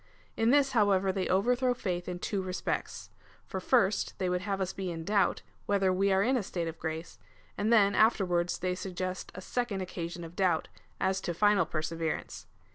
In this, however, they overthrow faith in two respects : for first they would have us be in doubt, whether we are in a state of grace, and then afterwards they suggest a second occasion of doubt — as to final perseverance.